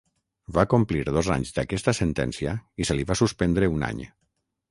Va complir dos anys d'aquesta sentència i se li va suspendre un any.